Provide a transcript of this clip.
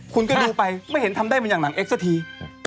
คุณก็ดูไปไม่เห็นทำได้มันอย่างหนังเอ็กซะที